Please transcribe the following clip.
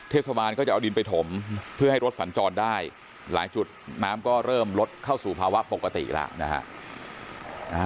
เทศบาลก็จะเอาดินไปถมเพื่อให้รถสัญจรได้หลายจุดน้ำก็เริ่มลดเข้าสู่ภาวะปกติแล้วนะฮะ